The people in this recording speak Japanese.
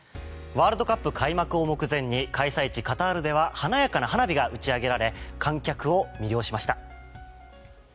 ワールドカップ開幕を目前に開催地カタールでは華やかな花火が打ち上げられ観客を魅了しました。